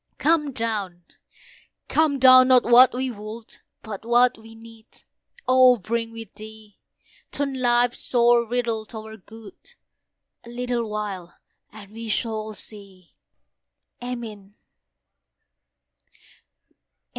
Come down! come down! not what we would, But what we need, O bring with Thee. Turn life's sore riddle to our good; A little while and we shall see. Amen.